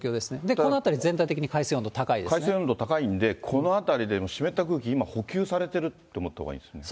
この辺り、全体的に海水温度高い海水温度高いんで、この辺りで湿った空気補給されてると思っていいんですね。